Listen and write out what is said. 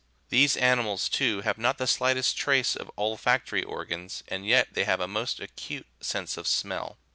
These animals, too, have not the slightest trace of olfactory organs, and yet they have a most acute sense of smell.